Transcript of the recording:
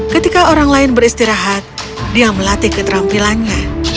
ketika orang lain beristirahat dia melatih keterampilannya